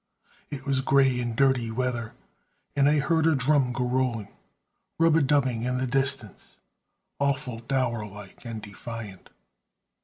"It was gray and dirty weather, And I heard a drum go rolling, Rub a dubbing in the distance, Awful dour like and defiant.